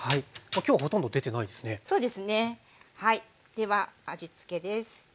では味つけです。